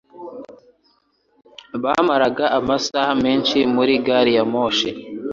Bamaraga amasaha menshi muri gari ya moshi.